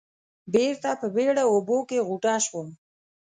بېرته په بېړه اوبو کې غوټه شوم.